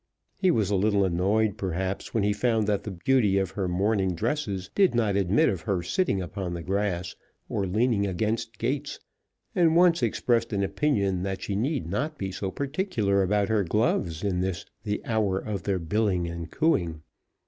He was a little annoyed, perhaps, when he found that the beauty of her morning dresses did not admit of her sitting upon the grass or leaning against gates, and once expressed an opinion that she need not be so particular about her gloves in this the hour of their billing and cooing.